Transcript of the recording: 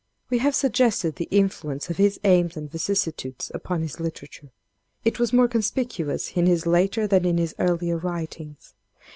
"We have suggested the influence of his aims and vicissitudes upon his literature. It was more conspicuous in his later than in his earlier writings.